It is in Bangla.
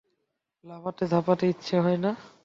লাফাতে ঝাঁপাতে ইচ্ছা হয় না।